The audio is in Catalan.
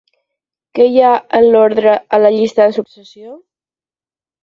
Què hi ha en l'ordre a la llista de successió?